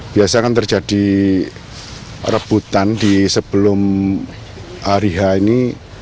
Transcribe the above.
biasa kan terjadi rebutan di sebelum ariha ini